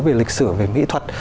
về lịch sử về mỹ thuật